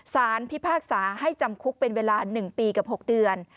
สารพิพากษาให้จำคุกเป็นเวลา๑ปีกับ๖เดือน